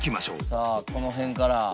さあこの辺から。